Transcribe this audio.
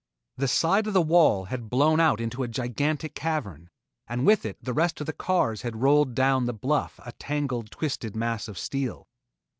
The side of the wall had blown out into a gigantic cavern, and with it the rest of the cars had rolled down the bluff a tangled, twisted mass of steel.